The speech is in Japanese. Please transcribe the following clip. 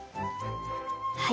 はい。